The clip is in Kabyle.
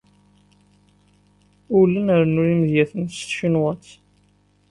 Ur la nrennu imedyaten s tcinwat.